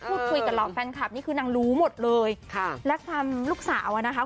พูดคุยกับเหล่าแฟนคลับนี่คือนางรู้หมดเลยค่ะและความลูกสาวอ่ะนะคะ